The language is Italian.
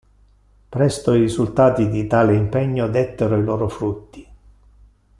Presto i risultati di tale impegno dettero i loro frutti.